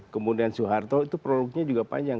kemudian soeharto itu produknya juga panjang